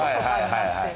はいはい。